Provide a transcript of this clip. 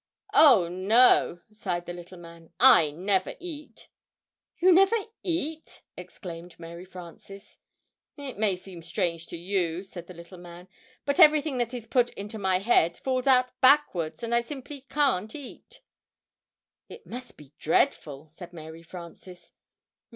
"Oh, no," sighed the little man, "I never eat." "You never eat!" exclaimed Mary Frances. "It may seem strange to you," said the little man, "but everything that is put into my head falls out backwards, and I simply can't eat." [Illustration: "Everything falls out backwards"] "It must be dreadful!" said Mary Frances.